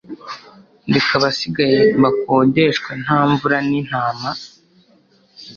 Reka abasigaye bakodeshwe nta mvura n'intama.